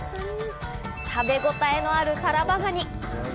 食べごたえのあるタラバガニ。